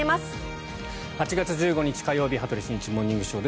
８月１５日、火曜日「羽鳥慎一モーニングショー」。